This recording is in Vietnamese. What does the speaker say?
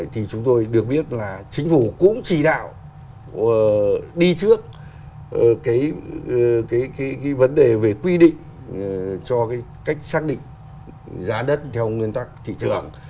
thì chúng tôi được biết là chính phủ cũng chỉ đạo đi trước cái vấn đề về quy định cho cái cách xác định giá đất theo nguyên tắc thị trường